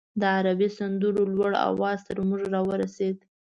د عربي سندرو لوړ اواز تر موږ راورسېد.